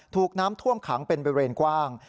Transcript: ถูกน้ำท่วมขังเป็นบริเวณกว้าง